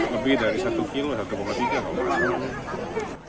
lebih dari satu kg satu tiga kg kalau maksudnya